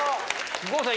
郷さん